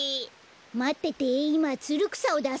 まってていまつるくさをだすから。